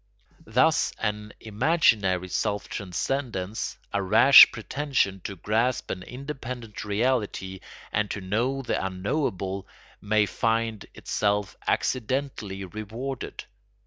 Thus an imaginary self transcendence, a rash pretension to grasp an independent reality and to know the unknowable, may find itself accidentally rewarded.